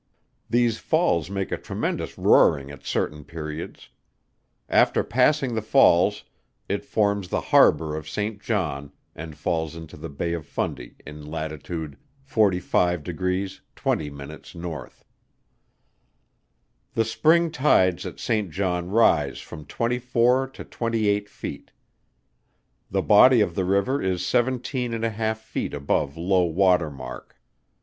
These falls make a tremendous roaring at certain periods. After passing the falls, it forms the harbour of St. John, and falls into the Bay of Fundy in lat. 45° 20' N. The spring tides at St. John rise from twenty four to twenty eight feet. The body of the river is seventeen and a half feet above low water mark.